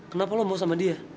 kenapa lo mau sama dia